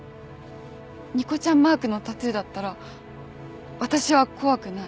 ニコちゃんマークのタトゥーだったら私は怖くない。